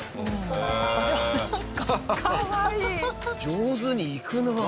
上手にいくなあ。